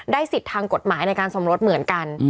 สิทธิ์ทางกฎหมายในการสมรสเหมือนกัน